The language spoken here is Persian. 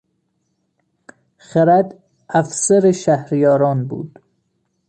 خرد افسر شهریاران بود.